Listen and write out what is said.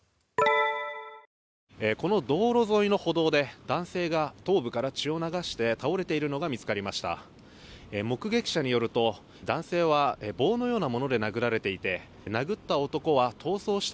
この道路沿いの歩道で男性が頭部から血を流して倒れているのが見つかりました。